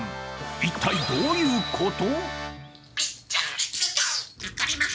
一体、どういうこと？